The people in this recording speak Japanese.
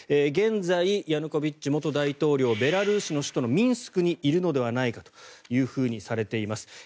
現在、ヤヌコビッチ元大統領ベラルーシの首都ミンスクにいるのではないかとされています。